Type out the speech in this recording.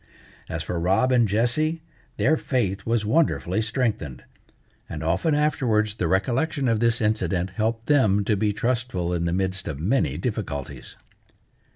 As for Rob and Jessie, their faith was wonderfully strengthened, and often afterwards the recollection of this incident helped them to be trustful in the midst of many difficulties.